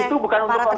itu bukan untuk